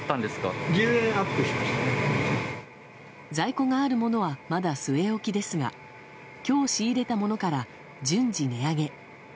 在庫があるものはまだ据え置きですが今日仕入れたものから順次、値上げ。